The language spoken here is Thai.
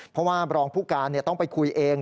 เพราะว่ารองผู้การต้องไปคุยเอง